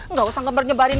nggak usah ngeber nyeberin